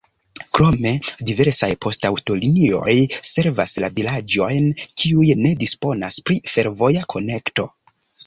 Krome diversaj poŝtaŭtolinioj servas la vilaĝojn, kiuj ne disponas pri fervoja konekto.